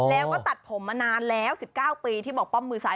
แล้วก็ตัดผมมานานแล้ว๑๙ปีที่บอกป้อมมือซ้าย